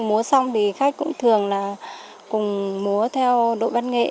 múa xong thì khách cũng thường là cùng múa theo đội văn nghệ